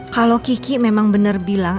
kalo kiki memang bener bilang